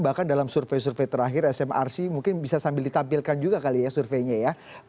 bahkan dalam survei survei terakhir smrc mungkin bisa sambil ditampilkan juga kali ya surveinya ya